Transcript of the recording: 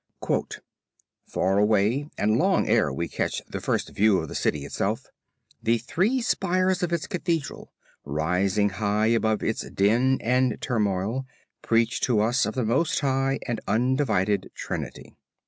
"Far away and long ere we can catch the first view of the city itself, the three spires of its Cathedral, rising high above its din and turmoil, preach to us of the Most High and Undivided Trinity.